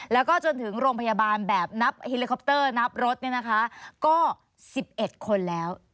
แล้วก็จนถึงโรงพยาบาลแบบนับเฮลิคอปเตอร์นับรถก็๑๑คนแล้ว